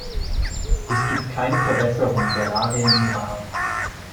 Es gibt keine Verbesserung der Lage im Irak.